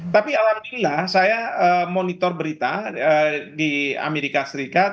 tapi alhamdulillah saya monitor berita di amerika serikat